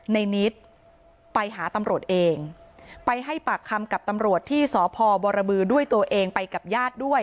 นิดไปหาตำรวจเองไปให้ปากคำกับตำรวจที่สพบรบือด้วยตัวเองไปกับญาติด้วย